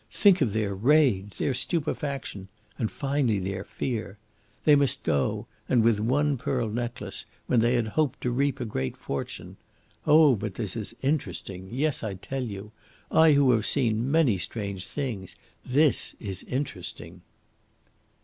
Think of their rage, their stupefaction, and finally their fear! They must go, and with one pearl necklace, when they had hoped to reap a great fortune. Oh, but this is interesting yes, I tell you I, who have seen many strange things this is interesting."